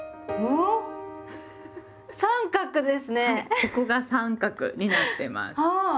ここが三角になってます。